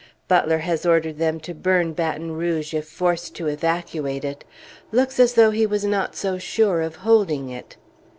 Butler has ordered them to burn Baton Rouge if forced to evacuate it. Looks as though he was not so sure of holding it.